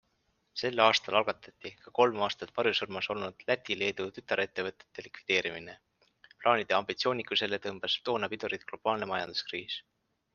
Sel aastal algatati ka kolm aastat varjusurmas olnud Läti-Leedu tütarettevõtete likvideerimine - plaanide ambitsioonikusele tõmbas toona pidurit globaalne majanduskriis.